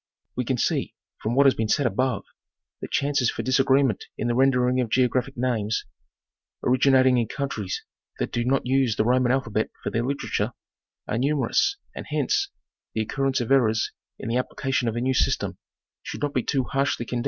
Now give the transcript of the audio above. We can see, from what has been said above, that chances for disagreement in the rendering of geographic names, originating in countries that do not use the Roman alphabet for their litera ture, are numerous, and hence, the occurrence of errors in the application of a new system should not be too harshly con 22 National Geographic Magazine.